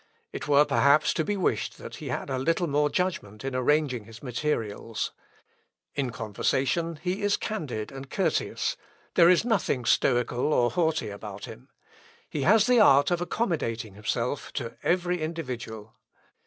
It were perhaps to be wished that he had a little more judgment in arranging his materials. In conversation he is candid and courteous; there is nothing stoical or haughty about him; he has the art of accommodating himself to every individual.